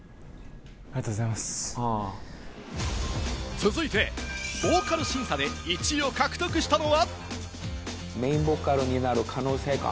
続いて、ボーカル審査で１位を獲得したのは。